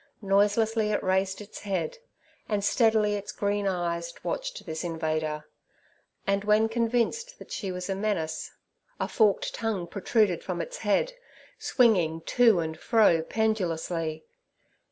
Noiselessly it raised its head, and steadily its green eyes watched this invader, and when convinced that she was a menace, a forked tongue protruded from its head, swinging to and fro pendulously.